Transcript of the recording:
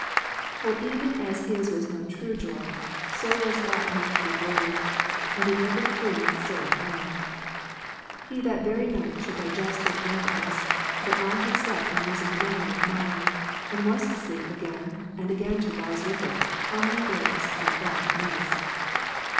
For even as his was no true joy, so was that no true glory: and it overthrew my soul more. He that very night should digest his drunkenness ; but I had slept and risen again with mine, and was to sleeji again, and again to rise with it, how many days. Thou, God, knowest.